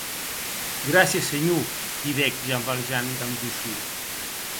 Gràcies, senhor, didec Jean Valjean damb doçor.